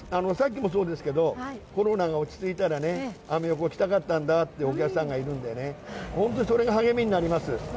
コロナが落ち着いたら、アメ横来たかったんだというお客さんがいるんでね、本当にそれが励みになります。